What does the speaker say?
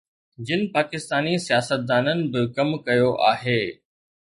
جن پاڪستاني سياستدانن به ڪم ڪيو آهي